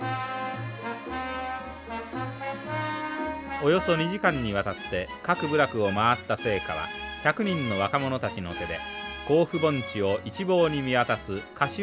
およそ２時間にわたって各部落を回った聖火は１００人の若者たちの手で甲府盆地を一望に見渡す柏尾山の山腹へと向かいます。